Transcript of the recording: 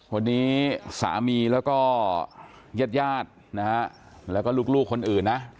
วันนี้สามีแล้วก็ญาติญาตินะฮะแล้วก็ลูกคนอื่นนะ